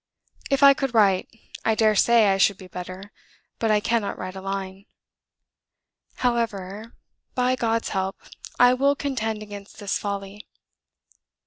If I could write, I dare say I should be better, but I cannot write a line. However (by God's help), I will contend against this folly.